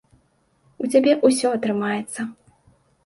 У цябе ўсё атрымаецца.